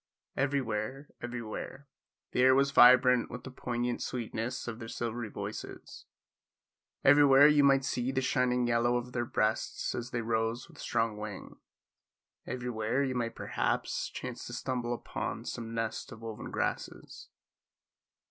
Everywhere, everywhere, the air was vibrant with the poignant sweetness of their silvery voices; everywhere you might see the shining yellow of their breasts as they rose with strong wing; everywhere you might perhaps chance to stumble upon some nest of woven grasses.